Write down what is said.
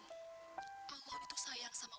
gimana keadaannya nun